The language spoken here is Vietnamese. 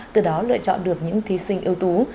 từ đó lựa chọn được những thí sinh ưu tú